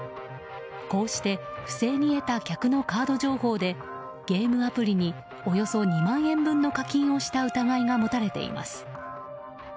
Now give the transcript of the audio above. こうして不正に得た客のカード情報でゲームアプリにおよそ２万円分の課金をした疑いが持たれています。